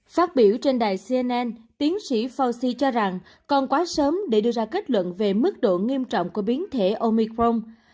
phát biểu trên đài cnn tiến sĩ fauci cho rằng còn quá sớm để đưa ra kết luận về mức độ nghiêm trọng của biến thể omicron